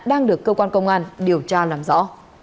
đang được cơ quan công an điều tra làm rõ